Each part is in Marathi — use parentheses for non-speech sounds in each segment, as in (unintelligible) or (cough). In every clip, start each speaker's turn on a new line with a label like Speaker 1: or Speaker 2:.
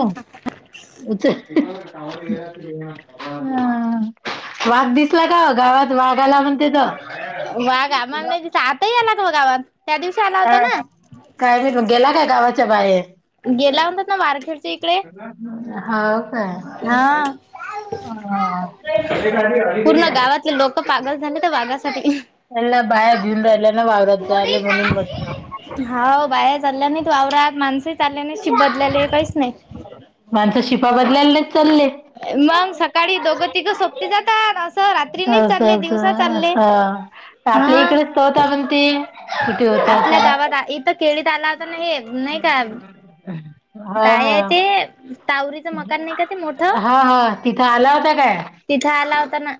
Speaker 1: हो, उचल हम्म वाघ दिसला का हो. गावात वाघ आला म्हणत्यात.
Speaker 2: वाघ आम्हाला नाही दिसला. आता या लागला बघा गावात. त्या दिवशी आला
Speaker 1: हा.
Speaker 2: होता ना.
Speaker 1: काय ब‌ई मग गेला का गावाच्या बाहेर.
Speaker 2: गेला म्हणतात ना मार
Speaker 1: हाव काय हा
Speaker 2: पूर्ण गावातले लोक पागल झाले त्या वाघासाठी
Speaker 1: त्याला बाहेर भिऊन राहिल्या ना वावरात जा आले म्हणून म्हटलं.
Speaker 2: हाव बाया चालल्या नाहीत वावरात, माणसही चालल्या नाही शिप बदलेले काहीच नाही.
Speaker 1: (unintelligible) माणसं शिपा बदलायला नाही चाले.
Speaker 2: मग सकाळी दोघं तिघं सोबती जातात असं रात्री नाही
Speaker 1: असं
Speaker 2: चालले दिवसा चालले
Speaker 1: असस हा आपल्या
Speaker 2: हा
Speaker 1: इकडेच होत पण ते
Speaker 2: आपल्या गावात इथं केळीत आला नाही नाही का
Speaker 1: हा
Speaker 2: काय आहे
Speaker 1: हा
Speaker 2: ते तावर
Speaker 1: हा हा तिथं आला होता काय?
Speaker 2: तिथे आला होता ना.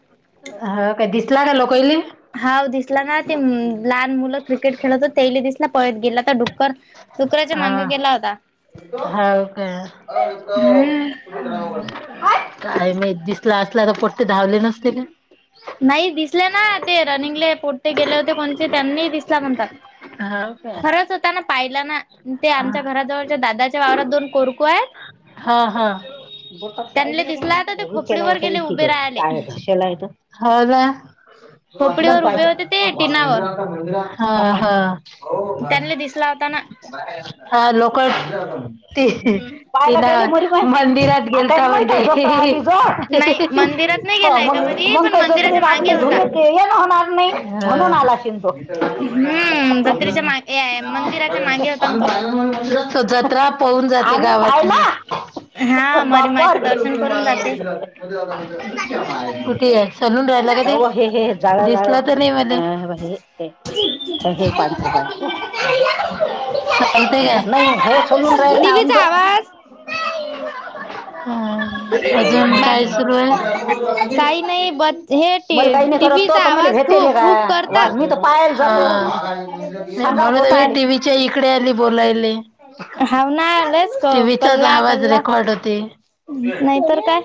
Speaker 1: ह का दिसला का लोकांले?
Speaker 2: हाव दिसला ना ते लहान मुलं क्रिकेट खेळत तेली दिसला पळत गेला तर डुक
Speaker 1: हा हा काय?
Speaker 2: हम्म.
Speaker 1: काय मी दिसला असला तर पोटते धावले नसते का?
Speaker 2: नाही दिसले ना ते रनिंगले पोट्टे गेले होते कोणचे त्यांनी दिसला म्हणतात.
Speaker 1: होव का?
Speaker 2: ता ना पाहिला ना ते आमच्या घराजवळच्या दादाच्या वावरात दोन कोरकू आहेत
Speaker 1: हा हा बोटात पाहिजे,
Speaker 2: त्यांनले दिसला
Speaker 1: (unintelligible)
Speaker 2: तर ते खोपडीवर गेले उभे राहायले खोपडीवर उभे होते ते टिनावर.
Speaker 1: हो ना. हा हा.. हो
Speaker 2: त्यांना दिसला होता ना.
Speaker 1: हा लोकांले दिसला ते. मंदिरात गेलतो
Speaker 2: नाही मंदिरात नाही
Speaker 1: हो
Speaker 2: गेलाय का
Speaker 1: मग
Speaker 2: बरी
Speaker 1: मग
Speaker 2: पण
Speaker 1: काही जोत
Speaker 2: मंदिराच्या मागे
Speaker 1: आपले धुम
Speaker 2: होता.
Speaker 1: ये ना होणार नाही म्हणून आला शि
Speaker 2: हम्म जत्रेच्या मागे ए
Speaker 1: (unintelligible)
Speaker 2: मंदिराच्या मागे होता ना तो.
Speaker 1: जात्रा? पळून जाते गावातन आहे
Speaker 2: हा
Speaker 1: बाप्पा!
Speaker 2: मरीमायचं दर्शन करून जाते.
Speaker 1: (unintelligible) हे पांढर पांढर चालते का नाही हो सोलून राहील ना अध
Speaker 2: टीव्हीचा आवाज
Speaker 1: हा अजून काय
Speaker 2: बाकी
Speaker 1: सुरू आहे?
Speaker 2: काही नाही ब हे
Speaker 1: मला काही नाही करत
Speaker 2: टीव्हीचा
Speaker 1: तो मला
Speaker 2: आवाज
Speaker 1: भेटेल
Speaker 2: खूप
Speaker 1: का
Speaker 2: खूप
Speaker 1: वाघ
Speaker 2: करतात.
Speaker 1: मी? पाय काग टीव्च्या इकडे आली बोलायले
Speaker 2: हाव ना, आलायच का कल्ला कल्ला
Speaker 1: अडते.
Speaker 2: नाहीतर काय?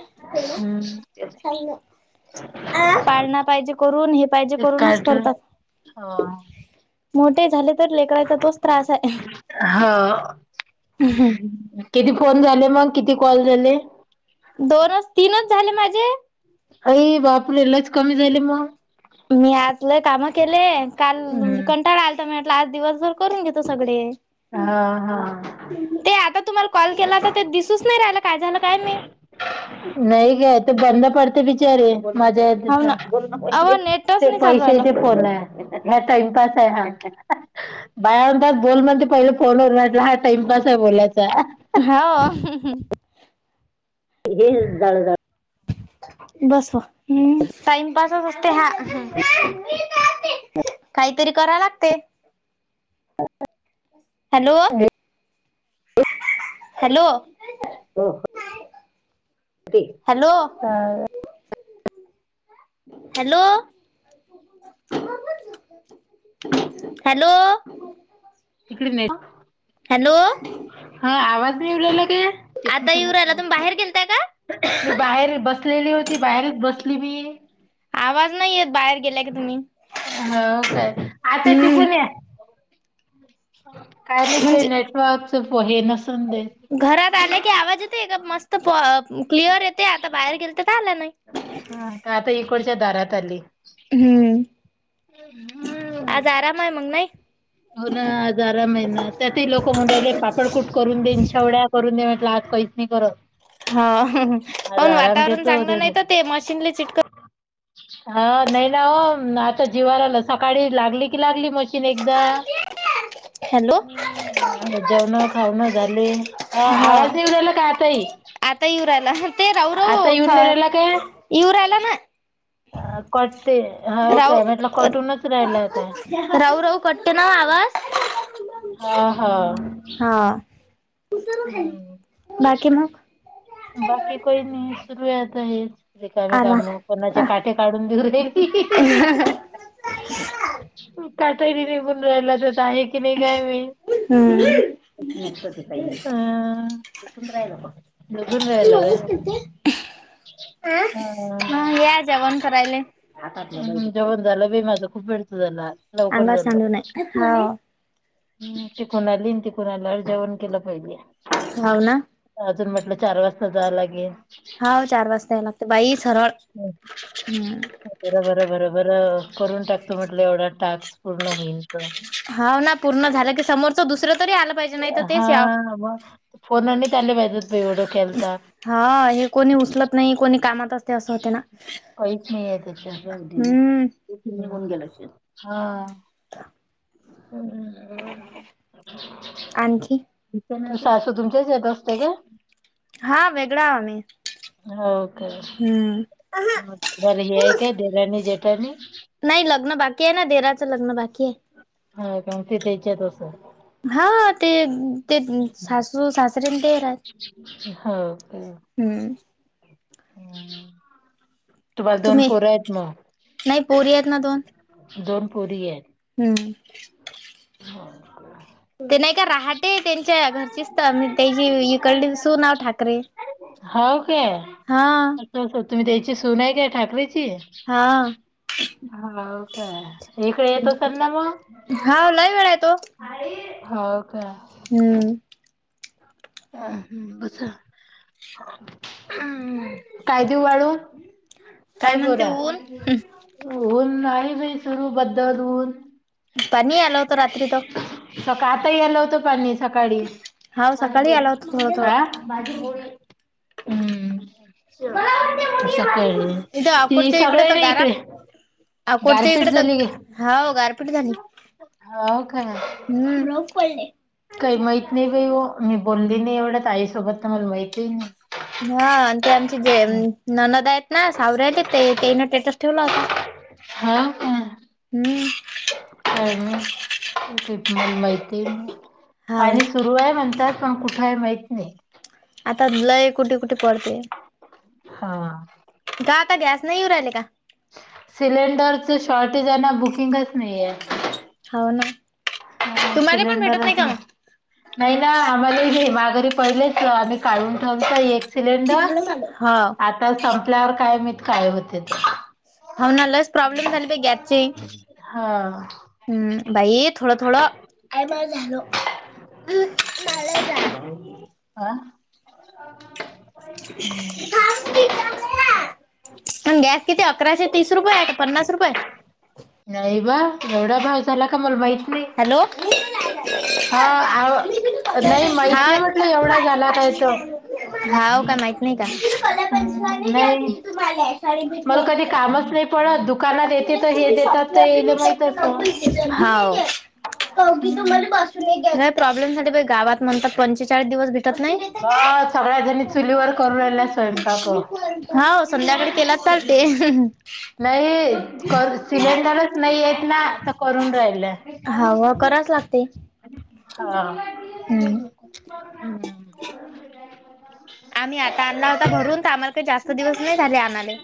Speaker 2: पाळना पाहिजे करून हे पाहिजे
Speaker 1: ते
Speaker 2: करूनच
Speaker 1: कार्टून
Speaker 2: करतात. मोठे झाले तर लेकराचा तोच त्रास आहे.
Speaker 1: हा किती फोन झाले मग किती कॉल झाले?
Speaker 2: दोनच तीनच झाले माझे.
Speaker 1: अई बापरे! लयच कमी झाले मग.
Speaker 2: मी आजले काम केले, काल
Speaker 1: हम्म
Speaker 2: कंटाळा आ म्हटलं आज दिवसभर करून घेतो सगळे.
Speaker 1: हा हा..
Speaker 2: ते आता तुम्हाला कॉल केला आता ते दिसूच नाही राहिला काय झालं काय माहित.
Speaker 1: नाही ग ती बंद पडते बिचारी माझ्या
Speaker 2: हो ना अव नेटच
Speaker 1: ते
Speaker 2: नाही चालू राहिलं.
Speaker 1: पैशाचे फोन आहे ह्या टाइमपास आहे आमच्या बायां म्हणतात बोल म्हण ते पहिले फोनवर वाटला हा टाइमपास आहे बोलायचा
Speaker 2: हा
Speaker 1: हे जाळ, जाळ (unintelligible)
Speaker 2: बस म हम् टाइमपासच असते हा काहीतरी करा लागते हॅलो हॅलो
Speaker 1: हो
Speaker 2: हॅलो
Speaker 1: हा
Speaker 2: हॅलो हॅलो
Speaker 1: तिकडे नाही
Speaker 2: हॅलो
Speaker 1: येत हा आवाज नाई येऊ लागला
Speaker 2: आता येऊ राहिला
Speaker 1: का
Speaker 2: तुम्ही बाहेर गेलताय का?
Speaker 1: बाहेरच बसलेली होती बाहेरच बसली मी
Speaker 2: आवाज नाही येत बाहेर गेला का तुम्ही
Speaker 1: हो काय आता
Speaker 2: हम्म
Speaker 1: तिकुून या काय मित ते
Speaker 2: म्हणजे
Speaker 1: नेटवर्कच हे नसन ते
Speaker 2: घरात आले की आवाज येते का मस्त क्लिअर येते आता बाहेर गेल तर आला नाही
Speaker 1: हा का आता इकडच्या दरात आली
Speaker 2: हम्म
Speaker 1: हम्म.
Speaker 2: आज आराम आहे मग नाही
Speaker 1: हो ना जरा मिळणार तर ती लोक म्हण राहिले पापडकुट करून देईन शेवड्या करून दे म्हटलं आज काहीच नाही करत
Speaker 2: हाव
Speaker 1: आज
Speaker 2: काउन
Speaker 1: आराम
Speaker 2: वातावरण
Speaker 1: घेतो
Speaker 2: चांगलं
Speaker 1: उद्या
Speaker 2: नाही
Speaker 1: दे
Speaker 2: तर ते मशीन चिटक
Speaker 1: हा नाही ना हो आता जिवार आला सकाळी लागली की लागली मशीन एकदा
Speaker 2: हॅलो
Speaker 1: आता जेवणं खाऊन झाले अ
Speaker 2: हा
Speaker 1: आवाज येऊ राहिला का ताई
Speaker 2: आता येऊ राईला ते राऊ राहू
Speaker 1: काय
Speaker 2: इवरायला ना
Speaker 1: अ कट्टे हा
Speaker 2: राऊ
Speaker 1: काय म्हटलं कटूनच राहिलाय काय
Speaker 2: राऊ राऊ कटते ना आवाज
Speaker 1: हा, हा
Speaker 2: हा
Speaker 1: हम्म.
Speaker 2: बाकी मग
Speaker 1: बाकी काही नाही सुरुय आता हेच रिकामी
Speaker 2: आरा
Speaker 1: काम कोणाचे काठे काढून देऊ या की कातयरी निघून राहिला तरत आहे की नाही काय माहीत तुम्त ते काही दिसून राहिल फक्त अजून राहिला काय
Speaker 2: अ ह या जेवण करायले
Speaker 1: आ जेवण झालं बी माझं खूप भेडत झाला
Speaker 2: अंगावर
Speaker 1: लवकरकर झाल
Speaker 2: सांडू नये हाव
Speaker 1: चिकून आली तिकून आला जेवण केलं पाहिले
Speaker 2: हाव ना
Speaker 1: अजून म्हटलं चार वाजता जावं लागेल
Speaker 2: हा चार वाजता यायला लागते बाई सरळ हम्!
Speaker 1: बर बरं बर बरं करून टाकतो म्हटलं एवढा टास्क पूर्ण होईस्तोवर.
Speaker 2: हा ना पूर्ण झालं की समोरच दुसरं तरी आलं! पाहिजे नाही तर
Speaker 1: हा
Speaker 2: तेच याव
Speaker 1: मग फोनने आले पाहिजत एओढं केलता?
Speaker 2: हा हे कोणी उचलत नाही कोणी कामात अस असं होते ना?
Speaker 1: काहीच नाही एकदम
Speaker 2: हम्म
Speaker 1: निघन गेला हा.
Speaker 2: तर,
Speaker 1: हम्म्,
Speaker 2: आणखी,
Speaker 1: सासू तुमच्याच येत असते काय!
Speaker 2: हा वेगळा आ म
Speaker 1: हो का बर हे आहे काय देरानी जेटानी,
Speaker 2: नाही लग्न बाकी आहे ना देराचं लग्न बाकी आहे.
Speaker 1: हा का म्हग ते त्याच्यात असं,
Speaker 2: हा ते ते सासू सासरे ते रा,
Speaker 1: हो, का
Speaker 2: हम्म,
Speaker 1: तुम्हाला दोन
Speaker 2: तुम्ही
Speaker 1: पोर आहेत मग!
Speaker 2: नाही पोरी आहेत ना दोन!
Speaker 1: दोन पोरी आहेत.
Speaker 2: हम्म,
Speaker 1: ह,
Speaker 2: ते नाही का रहाटे त्यांच्या घरचीच तर म त्याची इकडे सू नाव ठाकरे?
Speaker 1: हो काय,
Speaker 2: हा,
Speaker 1: तर तुम्ही त्याची सून आहे काय ठाकरेची.
Speaker 2: हा,
Speaker 1: हो काय इकडे येत असेल ना मग,
Speaker 2: हा लय वेळा येतो.
Speaker 1: हो का,
Speaker 2: हम्म,
Speaker 1: अ हम बस जरा, काय देऊ वाढून!
Speaker 2: काय
Speaker 1: ऐ
Speaker 2: म्हणते
Speaker 1: पोरा
Speaker 2: ऊन
Speaker 1: ऊन नाही बाई सुरू बदल ऊन,
Speaker 2: पाणी आलं होतं रात्री तर
Speaker 1: सकाळ आता यायला होत पाणी सकाळी!
Speaker 2: हाव
Speaker 1: माझी
Speaker 2: सकाळी आला होता थोडं
Speaker 1: गोळी आ माझी
Speaker 2: थोडं.
Speaker 1: गोळी. हम् समजेल,
Speaker 2: तिच्या अफूट इकडे तर घरात, आकोडच्या
Speaker 1: गारपीट
Speaker 2: इकडे तर
Speaker 1: झाली गे
Speaker 2: हा गारपीट झाली.
Speaker 1: हो काय
Speaker 2: हम् रफ पले,
Speaker 1: काही माहित नाही बाई हो मी बोलली नाही एवढ्यात आईसोबत तर मला माहित आहे नाही.
Speaker 2: हा ते आमचे जे ननद आहेत ना सावरऱ्याली ते ते तिनं स्टेटस ठेवला होता.
Speaker 1: हा काय,
Speaker 2: हम्,
Speaker 1: हम् हम् (unintelligible) माहिती
Speaker 2: हाव
Speaker 1: पाणी
Speaker 2: ना
Speaker 1: सुरू आहे म्हणतात. पण कुठाय माहीत नाही.
Speaker 2: आता लय कुठे कुठे पळते
Speaker 1: हा
Speaker 2: का आता गॅस नाही येऊ राहिले का
Speaker 1: सिलेंडरचं शॉर्टेज आहे ना बुकिंगच नाहीये
Speaker 2: हाव ना तुम्हाला पण भेटत नाही का मग
Speaker 1: नाही ना आम्हाला भे मा घरी पहिलेच आम्ही काढून ठेवतो एक सिलेंडर
Speaker 2: मग? हाव
Speaker 1: आता संपल्यावर काय माहित काय होतंय ते
Speaker 2: हाव ना लयच प्रॉब्लेम झाली बाई गॅसचे
Speaker 1: हा
Speaker 2: हम. बाई थोडं थोडं आई माझं झालं हम मला जा
Speaker 1: हा हम्म.
Speaker 2: (unintelligible) पण गॅस किती अकराशे तीस रुपये आहे का पन्नास रुपय
Speaker 1: नाही बा एवढा भाव झाला का मला माहीत
Speaker 2: हॅलो
Speaker 1: हा आव नाही
Speaker 2: हा
Speaker 1: माहित नाही म्हटलं एवढा झाला काय तो
Speaker 2: हाव का माहित नाही का
Speaker 1: हम
Speaker 2: हाव
Speaker 1: नाही मला कधी कामच नाही पळत दुकानात येते त
Speaker 2: लय
Speaker 1: ते हे देतात त हेला माहित असल
Speaker 2: हाव (inaudible)
Speaker 1: हम्म.
Speaker 2: नाही प्रॉब्लेम झाले बाई गावात म्हणतात पंचेचाळीस दिवस भे (inaudible) भेटत नाही
Speaker 1: हा सगळ्या जणी चुलीवर करून राहिल्या स्वयंपाक
Speaker 2: हाव संध्याकाळी केला चालते
Speaker 1: नय कर सिलेंडरच नाहीयेत ना आता करून राहिलय
Speaker 2: हाव कराच लागते
Speaker 1: हा
Speaker 2: हम्म
Speaker 1: हम
Speaker 2: आम्ही आता आणला होता भरून त आम्हाला काही जास्त दिवस नाही झाले आणाले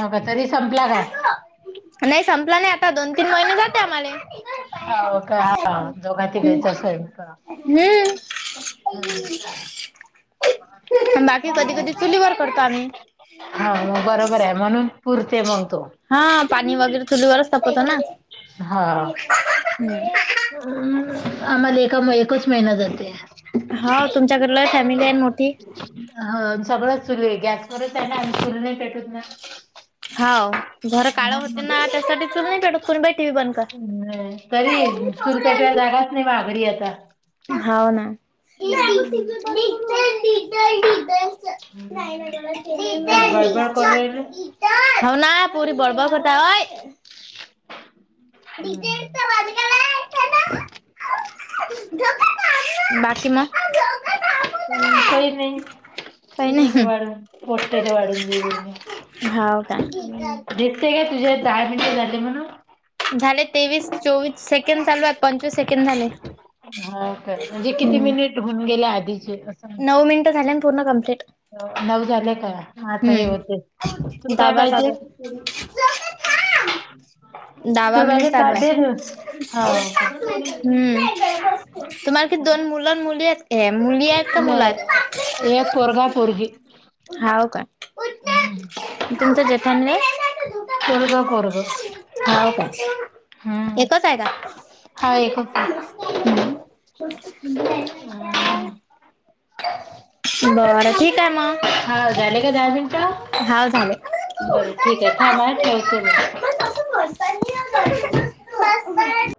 Speaker 1: हो का तरी संपला काय
Speaker 2: नाही संपला नाही आता दोन तीन महिने जाते आम्हाले
Speaker 1: हाव का
Speaker 2: हम्म.
Speaker 1: दोघातिघाचा स्वयंपाक हम
Speaker 2: बाकी कधी कधी चुलीवर करतो आम्ही.
Speaker 1: हा म बरोबर हाय म्हणून पुरते मंग तो
Speaker 2: हा पाणी वगैरे चुलीवरच तापवतो ना
Speaker 1: हम आम्हाला एका एकच महिना जाते
Speaker 2: हा तुमच्याकड लय फॅमिली आहे न मोठी
Speaker 1: हो सगळंच सुरू आहे गॅसवरच आहे ना आम्ही चुल नाही पेटवत ना
Speaker 2: हाव घर काळं
Speaker 1: म्हणून
Speaker 2: होतेे ना त्यासाठी चुल नाय पेटवत सुनबाई टी. व्ही बंद कर
Speaker 1: हम तरी चूल पेटवाय जागाच नाही माया घरी आता
Speaker 2: होव ना (unintelligible)
Speaker 1: हम्म.
Speaker 2: नाही
Speaker 1: हम्म, बस
Speaker 2: नाही
Speaker 1: बडबड
Speaker 2: (unintelligible)
Speaker 1: करू राहिले.
Speaker 2: हाव ना पुरी बडबड करताय
Speaker 1: हम्म,
Speaker 2: (unintelligible)
Speaker 1: (unintelligible)
Speaker 2: बाकी म
Speaker 1: हम काही नाही
Speaker 2: काही नाही.
Speaker 1: करूया वाढून वाटतेय तर वाढून देऊ द्या त्यांनी
Speaker 2: हाव का
Speaker 1: दिसते का तुझ्यात दहा मिनटे झाले म्हणून
Speaker 2: झाले तेवीस चोवीस सेकंड चालूएत पंचवीस सेकंड झाले
Speaker 1: हो म्हणजे किती मिनिट हुन गेले आदीचे अस
Speaker 2: नऊ मिनट झालेन पूर्ण कम्प्लीट
Speaker 1: नऊ झालेय काय आता हे होतेत तुला काय
Speaker 2: दहावा
Speaker 1: पाइजे
Speaker 2: चालू
Speaker 1: हो
Speaker 2: दहावा मिनिट चालुय
Speaker 1: हो का.
Speaker 2: हम्म तुमाल किती दोन मुल न मुलीएत ह मुलीएत का मुलएत
Speaker 1: नाही एक पोरगा पोरगी.
Speaker 2: हाओ का तुमचं जठन नाइ
Speaker 1: पोरग पोरग
Speaker 2: हाओ का एकचय का
Speaker 1: हा एकच आहे.
Speaker 2: (unintelligible) (unintelligible) (unintelligible) बरं ठीक आहे मग.
Speaker 1: हा झाले का
Speaker 2: हाव झाले.
Speaker 1: बर
Speaker 2: बोलताना
Speaker 1: ठीकेय थांब
Speaker 2: पाच
Speaker 1: हा ठेवतो
Speaker 2: मिनिटं
Speaker 1: मी
Speaker 2: (unintelligible) (unintelligible) (unintelligible) (unintelligible) (unintelligible)